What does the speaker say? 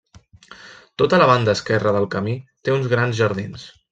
Tota la banda esquerra del camí té uns grans jardins.